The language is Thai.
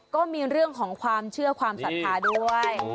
ก็มีเรื่องของความเชื่อความศรัทธาด้วย